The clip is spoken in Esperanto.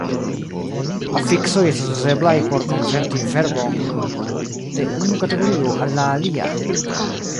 Afiksoj estas uzeblaj por konverti verbon de unu kategorio al la alia.